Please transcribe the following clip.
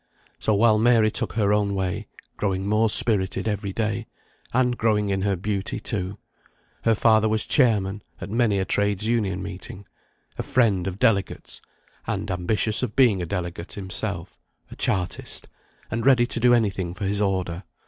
So while Mary took her own way, growing more spirited every day, and growing in her beauty too, her father was chairman at many a trades' union meeting; a friend of delegates, and ambitious of being a delegate himself; a Chartist, and ready to do any thing for his order.